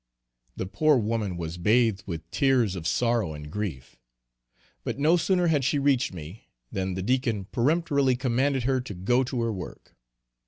The poor woman was bathed with tears of sorrow and grief. But no sooner had she reached me, than the Deacon peremptorily commanded her to go to her work.